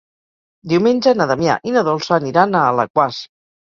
Diumenge na Damià i na Dolça aniran a Alaquàs.